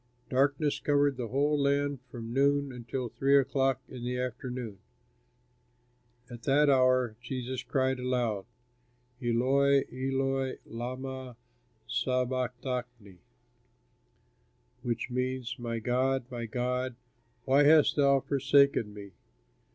Darkness covered the whole land from noon until three o'clock in the afternoon. At that hour Jesus cried aloud, "Eloi, Eloi, lama sabachthani," which means, "My God, my God, why hast thou forsaken me?"